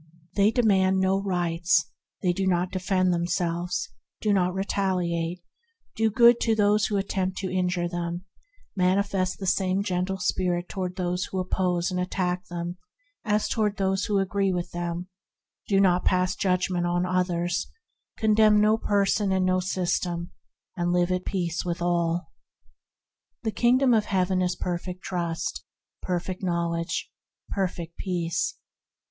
They demand no rights; they do not defend themselves; do not retaliate; AT REST IN THE KINGDOM 77 do good to those who attempt to injure them; manifest the same gentle spirit toward those who oppose and attack them as toward those who agree with them; do not pass judgment on others; condemn no man and no system; and live at peace with all. The Kingdom of Heaven is perfect trust, perfect knowledge, perfect peace.